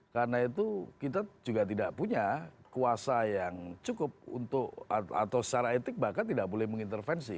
karena itu kita juga tidak punya kuasa yang cukup untuk atau secara etik bahkan tidak boleh mengintervensi